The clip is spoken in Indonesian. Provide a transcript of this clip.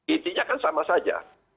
intinya kan sama saja